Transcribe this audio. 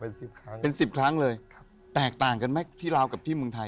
เป็นสิบครั้งเป็นสิบครั้งเลยครับแตกต่างกันไหมที่ลาวกับที่เมืองไทย